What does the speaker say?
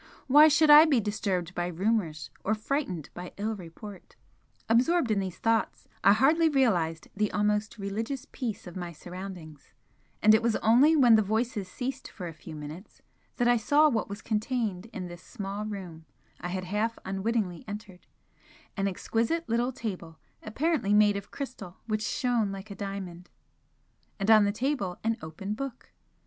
Why should I be disturbed by rumours, or frightened by ill report? Absorbed in these thoughts, I hardly realised the almost religious peace of my surroundings, and it was only when the voices ceased for a few minutes that I saw what was contained in this small room I had half unwittingly entered, an exquisite little table, apparently made of crystal which shone like a diamond and on the table, an open book.